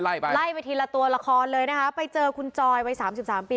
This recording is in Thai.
ไล่ไปทีละตัวละครเลยนะครับไปเจอคุณจอยไว้๓๓ปี